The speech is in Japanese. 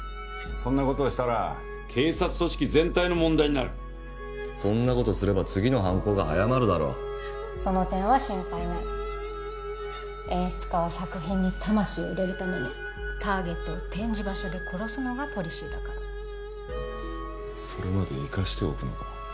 そんなことをしたら警察組織全体の問題になるそんなことすれば次の犯行が早まるだろその点は心配ない演出家は作品に魂を入れるためにターゲットを展示場所で殺すのがポリシーだからそれまで生かしておくのか？